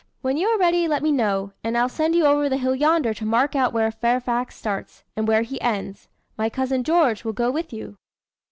When you are ready let me know, and I'll send you over the hill yonder to mark out where Fairfax starts, and where he ends. My cousin George will go with you."